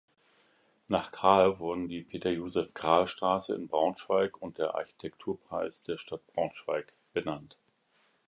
Nach Krahe wurden die Peter-Joseph-Krahe-Straße in Braunschweig und der Architekturpreis der Stadt Braunschweig benannt.